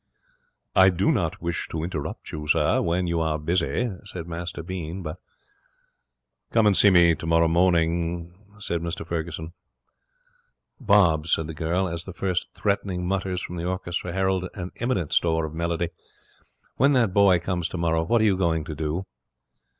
'I do not wish to interrupt you, sir, when you are busy,' said Master Bean, 'but ' 'Come and see me tomorrow morning,' said Mr Ferguson. 'Bob,' said the girl, as the first threatening mutters from the orchestra heralded an imminent storm of melody, 'when that boy comes tomorrow, what are going to do?'